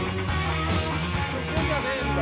ここじゃねえんだ。